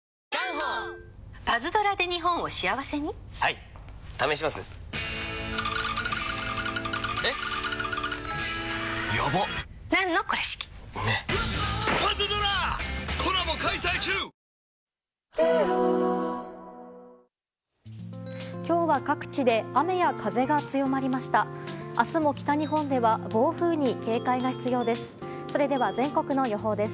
明日も北日本では暴風に警戒が必要です。